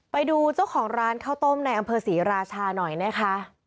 ไปดูเจ้าของร้านข้าวต้มในอำเภอศรีราชาหน่อยนะคะ